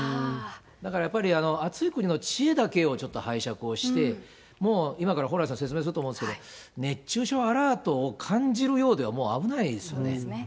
だからやっぱり、暑い国の知恵だけをちょっと拝借をして、もう今から蓬莱さん、説明すると思うんですけど、熱中症アラートを感じるようでは、もう危ないですよね。